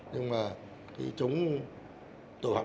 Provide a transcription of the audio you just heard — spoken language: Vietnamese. nhưng mà chống tội phạm